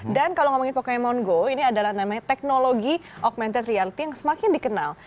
dan kalau ngomongin pokemon go ini adalah namanya teknologi augmented reality yang semakin dikenal